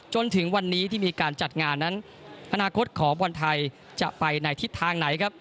จนถึงวันนี้ที่มีการจัดงานนั้นอนาคตของบอลไทยจะไปในทิศทางไหนครับ